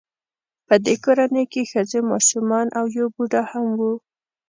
په دې کورنۍ کې ښځې ماشومان او یو بوډا هم و